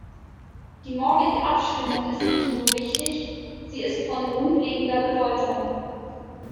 Die morgige Abstimmung ist nicht nur wichtig, sie ist von grundlegender Bedeutung.